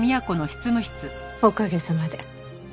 おかげさまで。